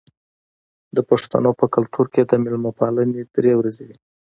د پښتنو په کلتور کې د میلمه پالنه درې ورځې وي.